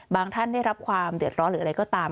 ท่านได้รับความเดือดร้อนหรืออะไรก็ตาม